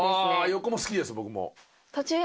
横も好きです僕も。